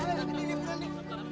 ayu pelan pelan pelan pelan